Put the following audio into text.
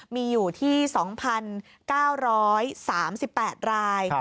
มีอยู่ที่๒๙๓๘ราย